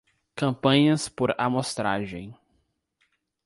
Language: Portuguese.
Campanhas por amostragem